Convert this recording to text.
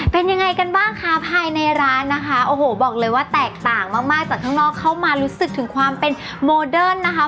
เป็นยังไงกันบ้างคะภายในร้านนะคะโอ้โหบอกเลยว่าแตกต่างมากมากจากข้างนอกเข้ามารู้สึกถึงความเป็นโมเดิร์นนะคะ